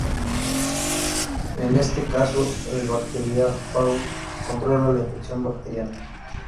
En este caso, el bacteriófago controla la infección bacteriana.